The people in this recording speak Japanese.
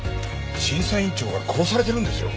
審査員長が殺されてるんですよ？